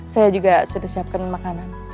saya juga sudah siapkan makanan